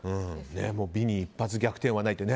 美に一発逆転はないと。